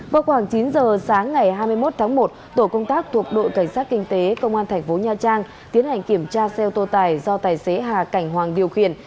vào khoảng chín giờ sáng ngày hai mươi một tháng một tổ công tác thuộc đội cảnh sát kinh tế công an thành phố nha trang tiến hành kiểm tra xe ô tô tài do tài xế hà cảnh hoàng điều khiển